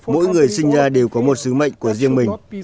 mỗi người sinh ra đều có một sứ mệnh của riêng mình